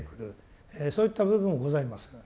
そういった部分もございます。